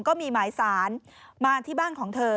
ก็มีหมายสารมาที่บ้านของเธอ